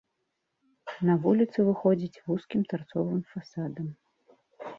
На вуліцу выходзіць вузкім тарцовым фасадам.